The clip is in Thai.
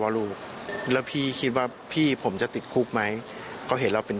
ลูกแล้วพี่คิดว่าพี่ผมจะติดคุกไหมเขาเห็นเราเป็น